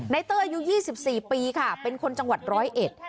ไหนเตยอายุ๒๔ปีค่ะเป็นคนจังหวัดร้อยเอ็ด